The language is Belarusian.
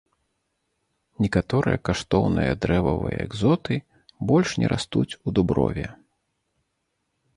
Некаторыя каштоўныя дрэвавыя экзоты больш не растуць у дуброве.